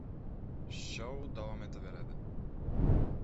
Shou davom etaveradi.